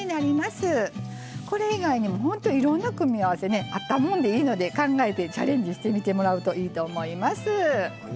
これ以外にもほんといろんな組み合わせねあったもんでいいので考えてチャレンジしてみてもらうといいと思います。